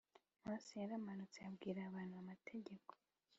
Mose yaramanutse abwira abantu amategeko